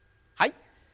はい。